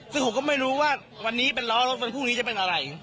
ซึ่งผมก็ไม่รู้ว่าวันนี้เป็นล้อรถวันพรุ่งนี้จะเป็นอะไร